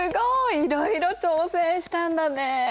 いろいろ挑戦したんだね。